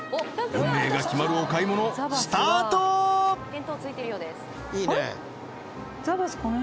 運命が決まるお買い物スタートあれ？